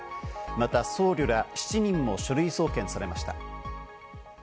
また僧侶ら７人も書類送検されました。